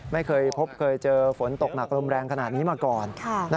ไม่เคยพบเคยเจอฝนตกหนักลมแรงขนาดนี้มาก่อน